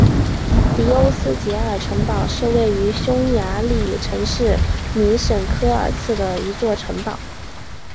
迪欧斯捷尔城堡是位于匈牙利城市米什科尔茨的一座城堡。